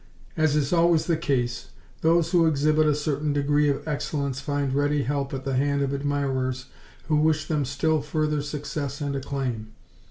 As is always the case, those who exhibit a certain degree of excellence find ready help at the hand of admirers who wish them still further success and acclaim.